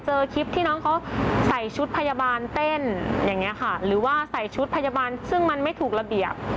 คลิปที่น้องเขาใส่ชุดพยาบาลเต้นอย่างนี้ค่ะหรือว่าใส่ชุดพยาบาลซึ่งมันไม่ถูกระเบียบ